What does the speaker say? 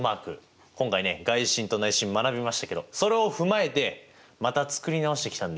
今回ね外心と内心学びましたけどそれを踏まえてまた作り直してきたんでちょっと見てもらっていいですか？